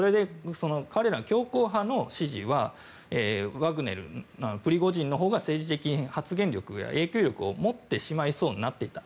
彼ら強硬派の支持はワグネル、プリゴジンのほうが政治的発言力や影響力を持ってしまいそうになっていた。